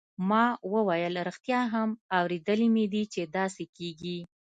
ما وویل ریښتیا هم اوریدلي مې دي چې داسې کیږي.